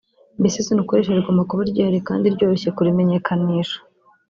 mbese izina ukoresha rigomba kuba ryihariye kandi ryoroshye kurimenyekanisha